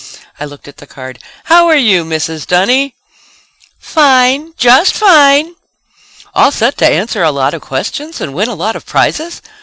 I looked at the card. "How are you, Mrs. Dunny?" "Fine! Just fine." "All set to answer a lot of questions and win a lot of prizes?"